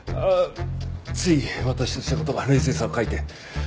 つい私とした事が冷静さを欠いて。